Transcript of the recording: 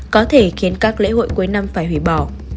có thể khiến các lễ hội cuối năm phải hủy bỏ